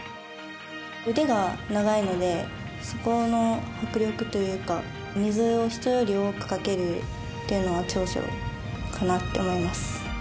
腕が長いのでそこの迫力というか水を人より多くかけるというのが長所かなと思います。